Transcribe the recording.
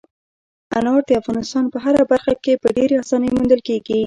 انار د افغانستان په هره برخه کې په ډېرې اسانۍ موندل کېږي.